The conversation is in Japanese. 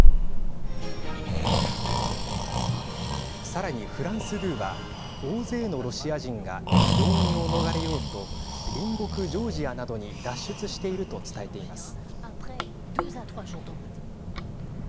さらにフランス２は大勢のロシア人が動員を逃れようと隣国ジョージアなどに脱出していると伝えています。